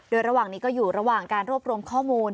โดยระหว่างนี้ก็อยู่ระหว่างการรวบรวมข้อมูล